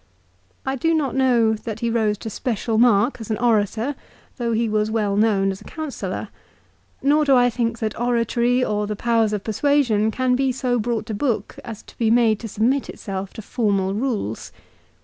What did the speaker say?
I do not know that he rose to special mark as an orator, though he was well known as a counsellor ; nor do I think that oratory, or the powers of persuasion, can be so brought to book as to be made to submit itself to formal rules.